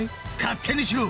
勝手にしろ！」